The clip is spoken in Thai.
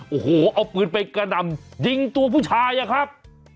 โอ้โหเอาปืนไปกระดำยิงตัวผู้ชายอะครับ